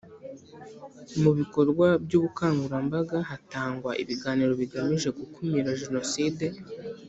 Mu bikorwa by’ubukangurambaga hatangwa ibiganiro bigamije gukumira Jenoside